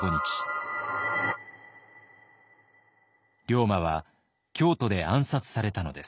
龍馬は京都で暗殺されたのです。